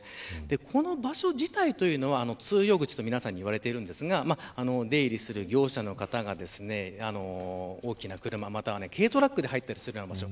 この場所は通用口と言われていますが出入りする業者の方が大きな車、または軽トラックで入ったりする場所。